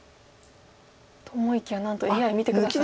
と思いきや何とＡＩ見て下さい。